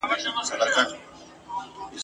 تللی دي له شپو یم افسانې را پسي مه ګوره ..